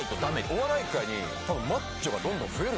お笑い界に多分マッチョがどんどん増える。